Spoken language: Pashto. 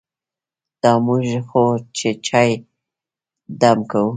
دا موږ خو چې چای دم کوو.